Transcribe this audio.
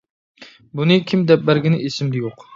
بۇنى كىم دەپ بەرگىنى ئېسىمدە يوق.